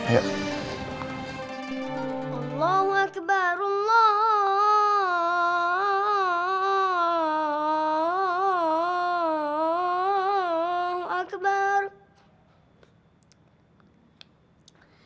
ya allah aku berdoa kepada tuhan